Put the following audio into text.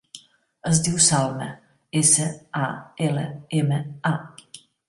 Es diu Salma: essa, a, ela, ema, a.